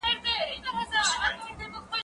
زه اوس زدکړه کوم؟